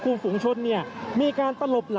คุณภูริพัฒน์ครับ